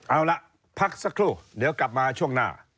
เอาล่ะพักสักครู่เดี๋ยวกลับมาช่วงหน้า